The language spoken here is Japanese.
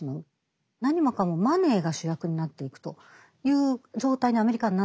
何もかもマネーが主役になっていくという状態にアメリカはなっていった。